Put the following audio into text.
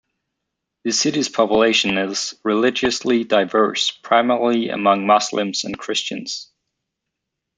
The city's population is religiously diverse, primarily among Muslims and Christians.